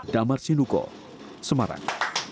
damar sinuko semarang